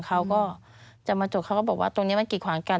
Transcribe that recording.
เขาก็จะมาจดเขาก็บอกว่าตรงนี้มันกิดขวางกัน